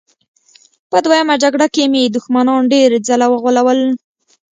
په دویمه جګړه کې مې دښمنان ډېر ځله وغولول